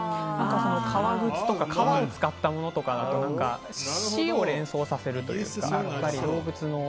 革靴とか、革を使ったものとかが死を連想させるというか。